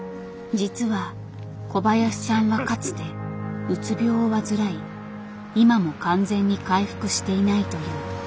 実は小林さんはかつてうつ病を患い今も完全に回復していないという。